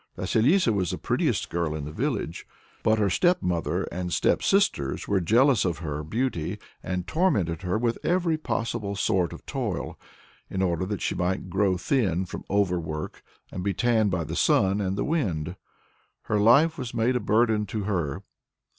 Vasilissa was the prettiest girl in all the village; but her stepmother and stepsisters were jealous of her beauty, and tormented her with every possible sort of toil, in order that she might grow thin from over work, and be tanned by the sun and the wind. Her life was made a burden to her!